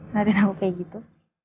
nantiin aku kayak gitu